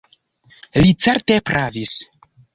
Li certe pravis.